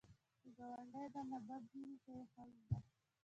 که ګاونډی درنه بد ویني، ته یې ښه وینه